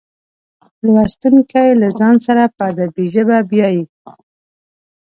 لوستونکي له ځان سره په ادبي ژبه بیایي.